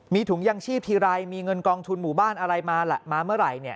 มีถุงยังชีพทีรัยมีเงินกองทุนหมู่บ้านมาเมื่อไหร่เนี่ย